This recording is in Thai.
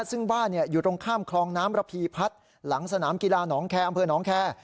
ซึ่งบ้านอยู่ตรงข้ามคลองน้ำระพีพัฒน์หลังสนามกีฬาหนองแคร์อำเภอหนองแคร์